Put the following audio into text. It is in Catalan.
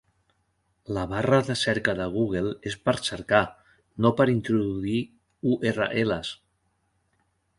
La barra de cerca de Google és per cercar, no per introduir URLs!